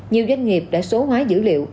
nhiều doanh nghiệp đã số hóa dữ liệu